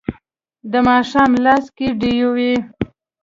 د ماښام لاس کې ډیوې